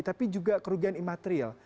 tapi juga kerugian imaterial